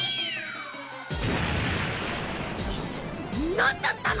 何だったの！？